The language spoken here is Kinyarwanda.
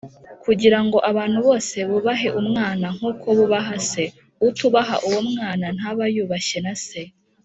, kugira ngo abantu bose bubahe Umwana, nk’uko bubaha Se. Utubaha uwo Mwana, ntaba yubashye na Se